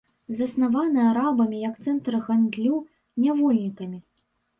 Заснаваны арабамі як цэнтр гандлю нявольнікамі.